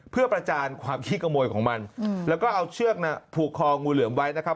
เพื่อประจานความขี้ขโมยของมันแล้วก็เอาเชือกน่ะผูกคองูเหลือมไว้นะครับ